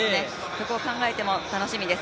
そこを考えても楽しみです。